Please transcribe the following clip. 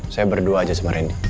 saya berdua aja sama rendy